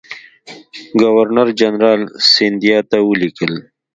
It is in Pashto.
ګورنرجنرال سیندهیا ته ولیکل.